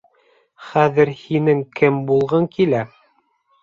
Хәҙер һинең кем булғың килә?